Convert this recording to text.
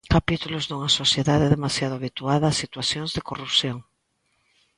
Capítulos dunha sociedade demasiado habituada a situacións de corrupción.